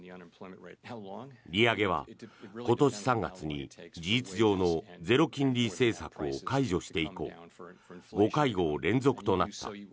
利上げは今年３月に事実上のゼロ金利政策を解除して以降５会合連続となった。